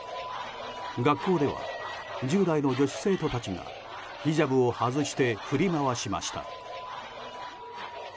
学校では１０代の女子生徒たちがヒジャブを外して振り回しました。